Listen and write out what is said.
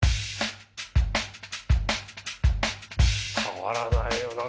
変わらないよな。